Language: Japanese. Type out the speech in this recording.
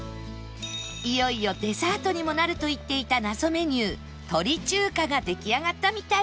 いよいよデザートにもなると言っていた謎メニュー鳥中華が出来上がったみたいです